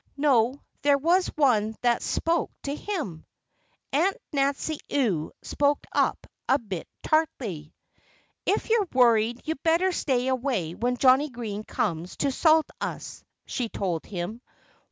No! there was one that spoke to him. Aunt Nancy Ewe spoke up a bit tartly. "If you're worried you'd better stay away when Johnnie Green comes to salt us," she told him.